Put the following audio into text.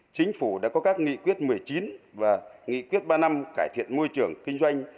chính phủ đã có các nghị quyết một mươi chín và nghị quyết ba năm cải thiện môi trường kinh doanh